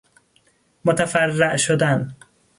متفرع شدن